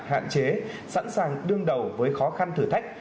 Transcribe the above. hạn chế sẵn sàng đương đầu với khó khăn thử thách